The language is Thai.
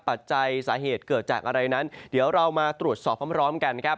ปัจจัยสาเหตุเกิดจากอะไรนั้นเดี๋ยวเรามาตรวจสอบพร้อมกันครับ